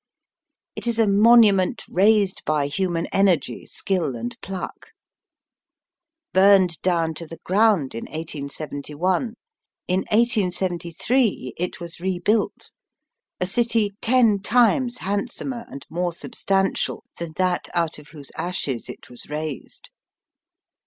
It is a monument raised by human energy, skill, and pluck. Burned down to the ground in 1871, in 1873 it was rebuilt — a city ten times hand somer and more substantial than that out of whose ashes it was raised.